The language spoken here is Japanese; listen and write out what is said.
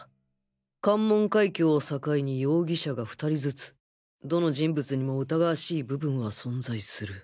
関門海峡を境に容疑者が２人ずつどの人物にも疑わしい部分は存在する